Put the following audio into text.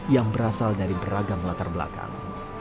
yang berasal dari beragam latar belakang